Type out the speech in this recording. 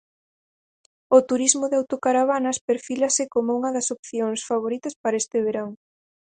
O turismo de autocaravanas perfílase como unha das opcións favoritas para este verán.